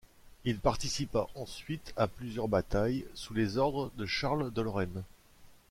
Il participa ensuite à plusieurs batailles sous les ordres de Charles de Lorraine.